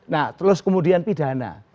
nah terus kemudian pidana